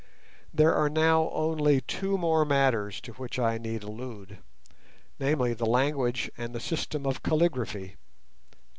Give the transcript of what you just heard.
There are now only two more matters to which I need allude—namely, the language and the system of calligraphy.